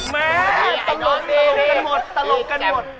แม่ตลกกันหมดตลกกันหมด